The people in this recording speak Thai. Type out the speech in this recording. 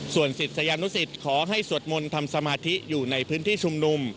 ส่วนศิษยานุสิตขอให้สวดมนต์ทำสมาธิอยู่ในพื้นที่ชุมนุม